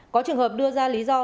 có trường hợp đưa ra lý do